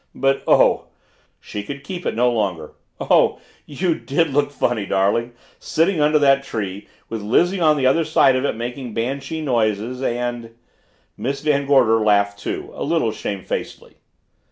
"But oh," she could keep it no longer, "oh you did look funny, darling sitting under that tree, with Lizzie on the other side of it making banshee noises and " Miss Van Gorder laughed too, a little shamefacedly.